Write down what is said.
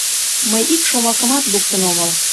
Мый ик шомакымат луктын омыл.